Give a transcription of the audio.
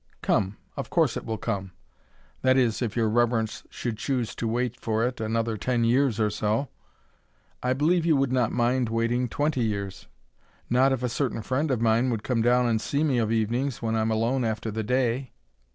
"Come; of course it will come. That is, if your reverence should choose to wait for it another ten years or so." "I believe you would not mind waiting twenty years." "Not if a certain friend of mine would come down and see me of evenings when I'm alone after the day.